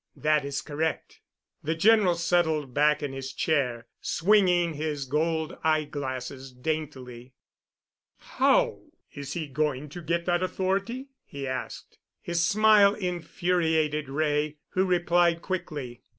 "That is correct." The General settled back in his chair, swinging his gold eyeglasses daintily. "How is he going to get that authority?" he asked. His smile infuriated Wray, who replied quickly.